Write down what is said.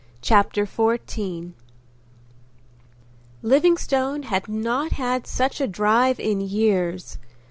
CHAPTER XIV Livingstone had not had such a drive in years.